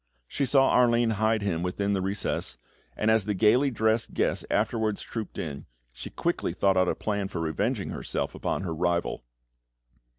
She saw Arline hide him within the recess, and as the gaily dressed guests afterwards trooped in, she quickly thought out a plan for revenging herself upon her rival.